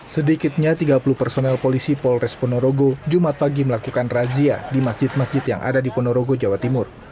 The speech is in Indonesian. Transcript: sedikitnya tiga puluh personel polisi polres ponorogo jumat pagi melakukan razia di masjid masjid yang ada di ponorogo jawa timur